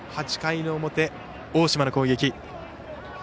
８回の表、大島の攻撃。